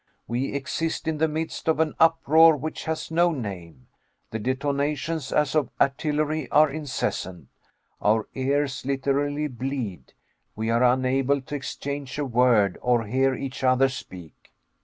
We exist in the midst of an uproar which has no name. The detonations as of artillery are incessant. Our ears literally bleed. We are unable to exchange a word, or hear each other speak.